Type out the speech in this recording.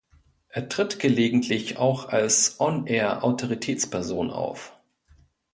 Er tritt gelegentlich auch als On-Air Autoritätsperson auf.